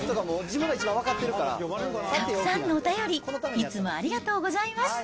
たくさんのお便り、いつもありがとうございます。